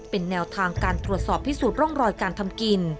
เป็นแนวทางการตรวจสอบพิสูจนร่องรอยการทำกิน